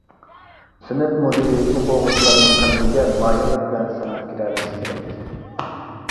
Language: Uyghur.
سىنىپ مۇدىرى ئوقۇغۇچىلارنىڭ قەلبىگە ماھىرلىق بىلەن سىڭىپ كىرەلىشى كېرەك.